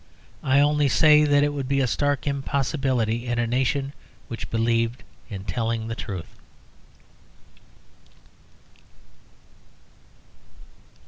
I only say that it would be a stark impossibility in a nation which believed in telling the truth.